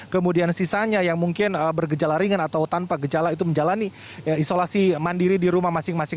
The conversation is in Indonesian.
kemudian sisanya yang mungkin bergejala ringan atau tanpa gejala itu menjalani isolasi mandiri di rumah masing masing